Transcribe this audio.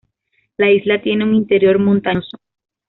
La isla tiene un interior montañoso.